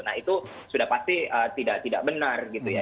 nah itu sudah pasti tidak benar gitu ya